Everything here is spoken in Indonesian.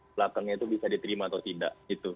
belakangnya itu bisa diterima atau tidak